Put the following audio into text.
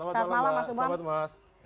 selamat malam mas